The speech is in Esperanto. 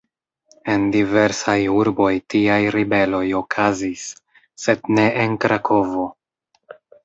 En diversaj urboj tiaj ribeloj okazis, sed ne en Krakovo.